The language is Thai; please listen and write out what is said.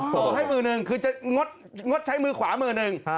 ขอให้มือหนึ่งคือจะงดใช้มือขวามือหนึ่ง